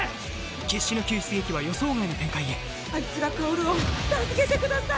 決死の救出劇は予想外の展開へあいつが薫を助けてください！